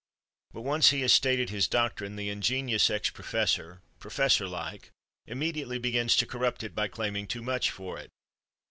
But once he has stated his doctrine, the ingenious ex professor, professor like, immediately begins to corrupt it by claiming too much for it.